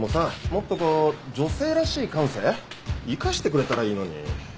もっとこう女性らしい感性生かしてくれたらいいのに。